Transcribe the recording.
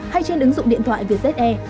hay trên ứng dụng điện thoại vietjet e